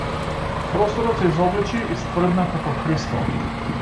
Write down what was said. Просторот се изобличи и стврдна како кристал.